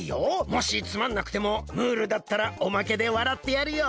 もしつまんなくてもムールだったらおまけでわらってやるよ。